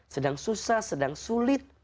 sedang susah sedang sulit